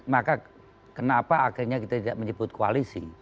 maka kenapa akhirnya kita tidak menyebut koalisi